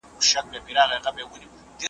چي د چا په غاړه طوق د غلامۍ سي .